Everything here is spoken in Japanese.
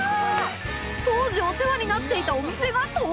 当時お世話になっていたお店が登場